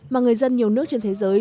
mà người dân nhiều nước trên thế giới